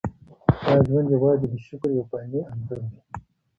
دا ژوند یوازې د شکر یو فاني انځور دی.